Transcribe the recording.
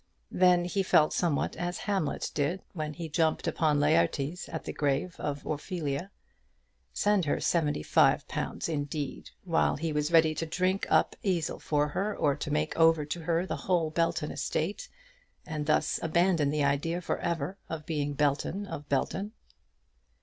Then he felt somewhat as Hamlet did when he jumped upon Laertes at the grave of Ophelia. Send her seventy five pounds indeed, while he was ready to drink up Esil for her, or to make over to her the whole Belton estate, and thus abandon the idea for ever of being Belton of Belton!